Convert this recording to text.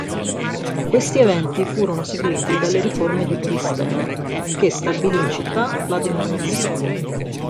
Questi eventi furono seguiti dalle riforme di Clistene, che stabilì in città la democrazia.